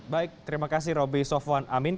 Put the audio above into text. baik terima kasih roby sofwan amin